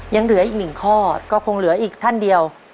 ยังเหลืออีกหนึ่งข้อก็คงเหลืออีกท่านเดียว